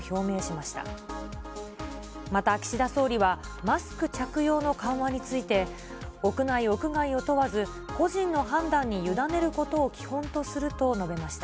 また岸田総理は、マスク着用の緩和について、屋内、屋外を問わず、個人の判断に委ねることを基本とすると述べました。